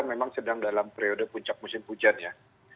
memang sedang dalam periode puncak musim hujan ya